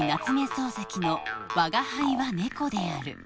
漱石の「吾輩は猫である」